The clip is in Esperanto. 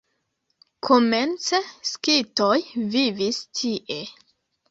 Komence skitoj vivis tie.